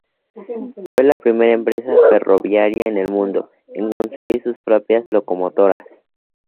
Fue la primera empresa ferroviaria en el mundo en construir sus propias locomotoras.